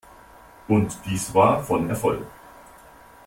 Und dies war von Erfolg.